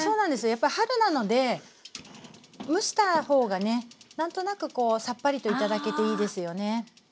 やっぱ春なので蒸した方がね何となくこうさっぱりと頂けていいですよね。